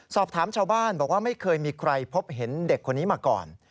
ชาวบ้านบอกว่าไม่เคยมีใครพบเห็นเด็กคนนี้มาก่อน